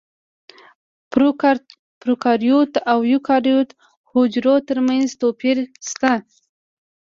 د پروکاریوت او ایوکاریوت حجرو ترمنځ توپیرونه شته.